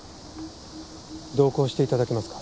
同行していただけますか？